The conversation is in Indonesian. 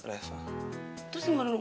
reva terus yang mau datang